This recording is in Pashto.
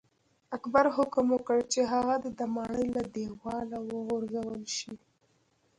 اکبر حکم وکړ چې هغه دې د ماڼۍ له دیواله وغورځول شي.